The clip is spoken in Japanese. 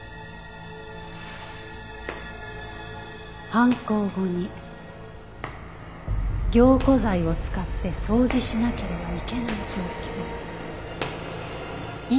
犯行後に凝固剤を使って掃除しなければいけない状況。